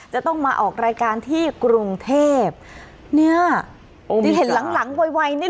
จะต้องมาออกรายการที่กรุงเทพเนี่ยโอ้ที่เห็นหลังหลังไวนี่